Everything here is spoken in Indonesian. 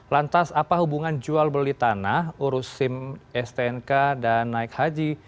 lantas apa hubungan jual beli tanah urus sim stnk dan naik haji